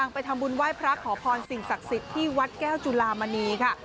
ไปทำบุญไหว้พระขอพรสิ่งศักดิ์สิทธิ์ที่วัดแก้วจุลามณีค่ะ